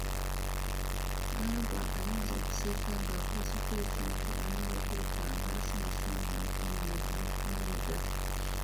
Gamba ayinza okuseka ng’abuuziddwa ekintu, ayinza okwekanga, sinakindi n’okunyiiga.